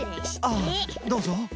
ああどうぞ。